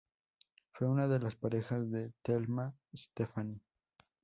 Fue una de las parejas de Thelma Stefani.